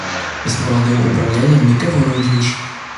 Беспроводным управлением никого не удивишь.